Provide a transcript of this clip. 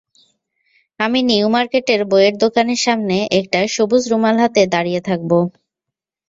আমি নিউ মার্কেটের বইয়ের দোকানের সামনে একটা সবুজ রুমাল হাতে দাঁড়িয়ে থাকব।